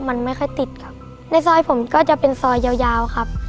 มันไม่ค่อยติดครับในซอยผมก็จะเป็นซอยยาวยาวครับ